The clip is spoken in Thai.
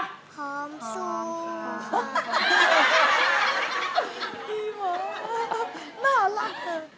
น่ารัก